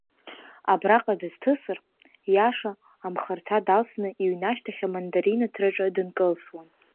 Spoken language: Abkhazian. Абраҟа дызҭысыр, иаша амхырҭа далсны иҩнашьҭахь амандаринарҭаҿы дынкылсуан.